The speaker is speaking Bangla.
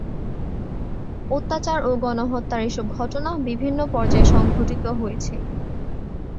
অত্যাচার ও গণহত্যার এসব ঘটনা বিভিন্ন পর্যায়ে সংঘটিত হয়েছে।